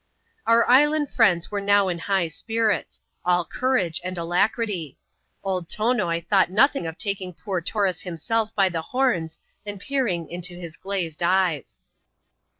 Our island friends were now in high spirits ; all courage and alacrity. Old Tonoi thought nothing of taking poor Taurus himself by the horns, and peering into his glazed eyes.